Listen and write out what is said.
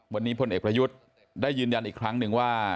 วันนี้พลเอกประยุทธ์ได้ยืนยันอีกครั้งหนึ่งว่า